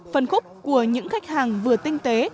phân khúc của những khách hàng vừa tinh tế